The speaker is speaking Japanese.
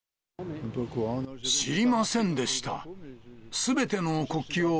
知りませんでした。